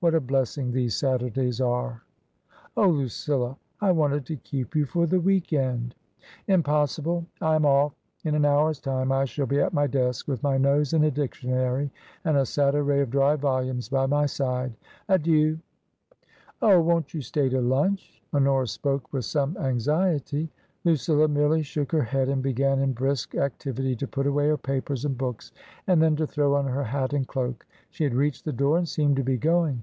What a blessing these Saturdays are !"^* Oh, Lucilla, I wanted to keep you for the week end." " Impossible. I am off. In an hour's time I shall be at my desk with my nose in a dictionary and a sad array of dry volumes by my side. Adieu !"" Oh, won't you stay to lunch ?" Honora spoke with some anxiety. Lucilla merely shook her head, and began in brisk activity to put away her papers and books, and then to throw on her hat and cloak. She had reached the door, and seemed to be going.